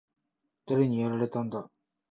誰にやられたんだ？